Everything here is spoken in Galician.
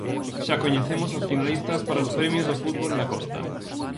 Xa coñecemos aos finalistas para os premios do fútbol da Costa.